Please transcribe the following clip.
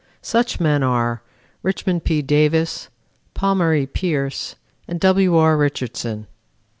Such men are, Richmond P. Davis, Palmer E. Pierce, and W. R. Richardson.